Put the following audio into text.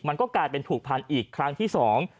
มันก็กลายเป็นผูกพันอีกครั้งที่สอง